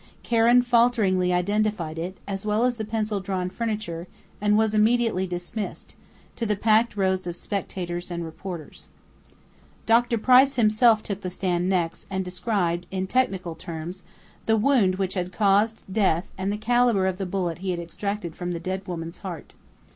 Karen falteringly identified it, as well as the pencil drawn furniture, and was immediately dismissed to the packed rows of spectators and reporters. Dr. Price himself took the stand next and described, in technical terms, the wound which had caused death and the caliber of the bullet he had extracted from the dead woman's heart.